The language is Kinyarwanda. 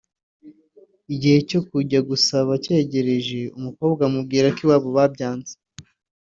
igihe cyo kujya gusaba cyegereje umukobwa amabwira ko iwabo babyanze